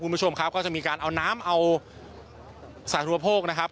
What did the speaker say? คุณผู้ชมครับก็จะมีการเอาน้ำเอาสาธุโภคนะครับ